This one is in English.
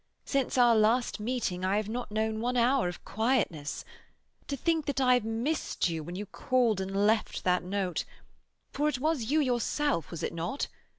Since our last meeting I have not known one hour of quietness. To think that I missed you when you called and left that note—for it was you yourself, was it not?